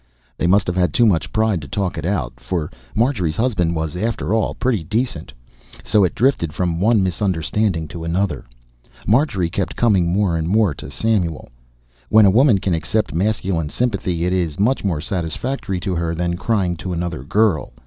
They must have had too much pride to talk it out for Marjorie's husband was, after all, pretty decent so it drifted on from one misunderstanding to another. Marjorie kept coming more and more to Samuel; when a woman can accept masculine sympathy at is much more satisfactory to her than crying to another girl.